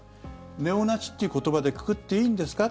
ネオナチという言葉でくくっていいんですか？